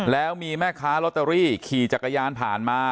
แล้วมีแม่ค้าลอตเตอรี่ขี่จักรยานผ่านมา